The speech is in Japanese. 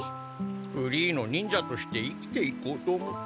フリーの忍者として生きていこうと思って。